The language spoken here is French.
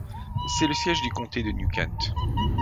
C’est le siège du comté de New Kent.